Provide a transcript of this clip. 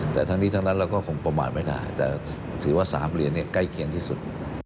แต่ทั้งนี้ทั้งนั้นเราก็คงประมาทไม่ได้แต่ถือว่า๓เหรียญใกล้เคียงที่สุด